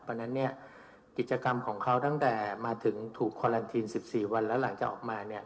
เพราะฉะนั้นเนี่ยกิจกรรมของเขาตั้งแต่มาถึงถูกควาลันทีนสิบสี่วันแล้วหลังจะออกมาเนี่ย